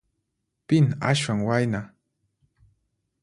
Pin aswan wayna?